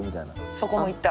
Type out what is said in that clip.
そこも行った。